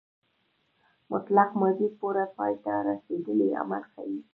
مطلق ماضي پوره پای ته رسېدلی عمل ښيي.